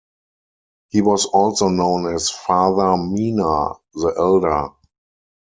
He was also known as Father Mina the elder.